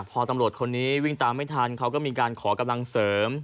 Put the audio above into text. พอตำรวจคนนี้วิ่งตามไม่ทันเขามีประโยชน์กำลังการเสริม